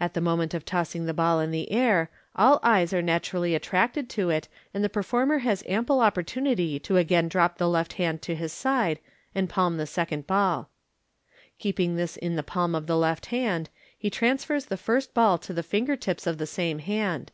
At the moment of tossing the ball in the air, all eyes are naturally attracted to it, and the performer has ample opportunity to again drop the Lit hand to his side, and palm the second ball. Keeping this in the palm of the left hand, he transfers the first ball to the finger tips of the same hand.